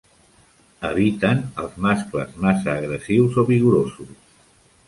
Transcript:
Eviten els mascles massa agressius o vigorosos.